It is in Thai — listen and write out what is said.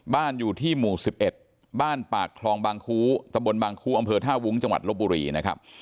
บ้านอยู่ที่หมู่๑๑บ้านปากคลองบางคู้ตะบนบางคู่อำเภอท่าวุ้งจังหวัดลบบุรีนะครับ